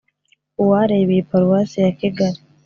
uwareba iyi paruwasi ya kigali